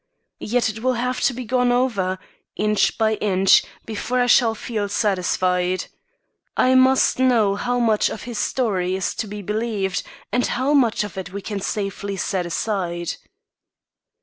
Yet it will have to be gone over, inch by inch, before I shall feel satisfied. I must know how much of his story is to be believed, and how much of it we can safely set aside."